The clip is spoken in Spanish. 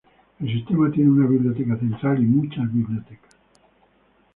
El sistema tiene una biblioteca central y muchos bibliotecas.